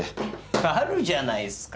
あるじゃないっすか。